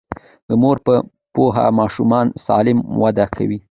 د مور په پوهه ماشومان سالم وده کوي.